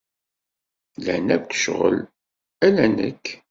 Lan akk ccɣel, ala nekk.